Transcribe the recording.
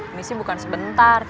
ini sih bukan sebentar